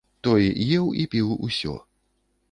Той еў і піў усё.